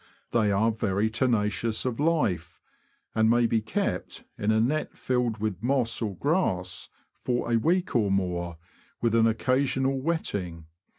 They are very tenacious of life, and may be kept, in a net filled with moss or grass, for a week or more, with an occasional wetting.